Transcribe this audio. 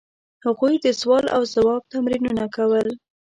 هغوی د سوال او ځواب تمرینونه کول.